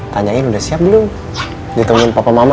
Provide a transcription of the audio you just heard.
tanyain udah siap belum diteman papa mama